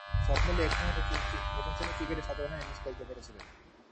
সবমিলিয়ে একটিমাত্র প্রথম-শ্রেণীর ক্রিকেটে শতরানের ইনিংস খেলতে পেরেছিলেন।